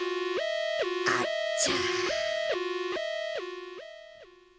あっちゃ。